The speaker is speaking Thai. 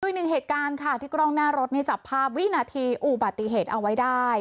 อีกหนึ่งเหตุการณ์ค่ะที่กล้องหน้ารถนี่จับภาพวินาทีอุบัติเหตุเอาไว้ได้